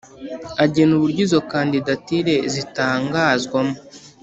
agena uburyo izo kandidatire zitangazwamo